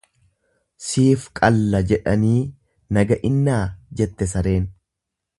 """Siif qalla jedhanii na ga'innaa"" jette sareen."